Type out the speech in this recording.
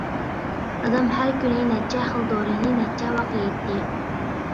دادام ھەر كۈنى نەچچە خىل دورىنى نەچچە ۋاق يەيتتى.